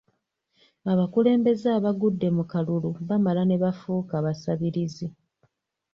Abakulembeze abagudde mu kalulu bamala ne bafuuka abasabirizi.